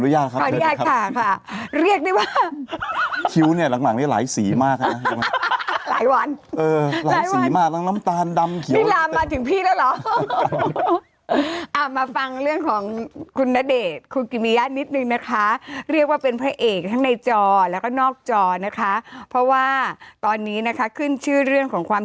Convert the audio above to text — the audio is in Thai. อยากรู้ไงหรือไม่อยากอ่านข่าวดารา